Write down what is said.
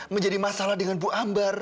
menjadi masalah dengan bu ambar